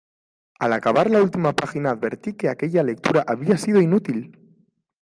Al acabar la última página advertí que aquella lectura había sido inútil.